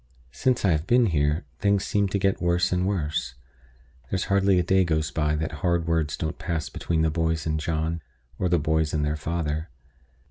Since I have been here, things seem to get worse and worse. There's hardly a day goes by that hard words don't pass between the boys and John, or the boys and their father.